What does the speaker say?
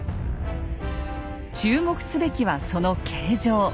注目すべきはその形状。